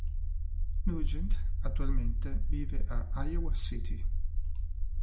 Nugent attualmente vive a Iowa City.